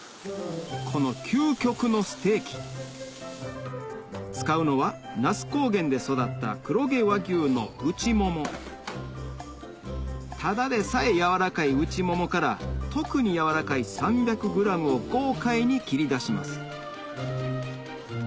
この究極のステーキ使うのは那須高原で育った黒毛和牛のただでさえ柔らかい内ももから特に柔らかい３００ｇを豪快に切り出します